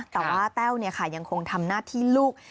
แต่ว่าแต้วเนี่ยค่ะยังคงทำหน้าที่ลูก